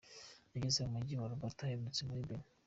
Yageze mu Mujyi wa Rabat aturutse muri Benin.